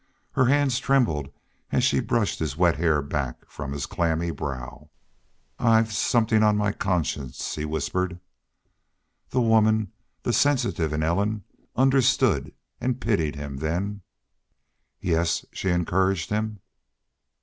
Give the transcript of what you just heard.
Her hands trembled as she brushed his wet hair back from his clammy brow. "I've somethin' on my conscience," he whispered. The woman, the sensitive in Ellen, understood and pitied him then. "Yes," she encouraged him.